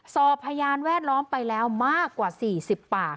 สอบพยานแวดล้อมไปแล้วมากกว่า๔๐ปาก